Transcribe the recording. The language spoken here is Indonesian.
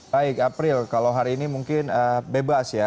baik april kalau hari ini mungkin bebas ya